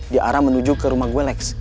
ya arah menuju ke rumah gue leks